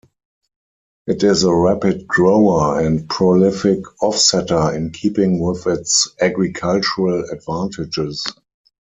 It is a rapid grower and prolific offsetter in keeping with its agricultural advantages.